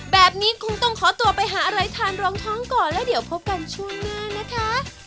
แบบนี้คงต้องขอตัวไปหาอะไรทานรองท้องก่อนแล้วเดี๋ยวพบกันช่วงหน้านะคะ